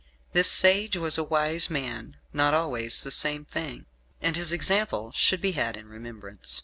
This sage was a wise man (not always the same thing), and his example should be had in remembrance.